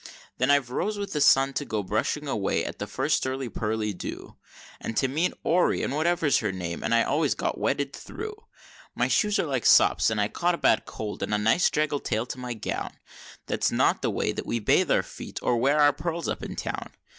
Then I've rose with the sun, to go brushing away at the first early pearly dew, And to meet Aurory, or whatever's her name, and I always got wetted through; My shoes are like sops, and I caught a bad cold, and a nice draggle tail to my gown, That's not the way that we bathe our feet, or wear our pearls, up in town!